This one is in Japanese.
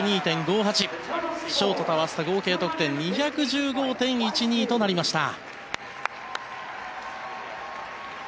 ショートと合わせた合計得点２１５．１２となりました。